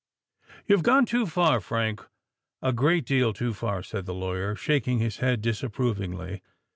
"You have gone too far, Frank—a great deal too far," said the lawyer, shaking his head disapprovingly.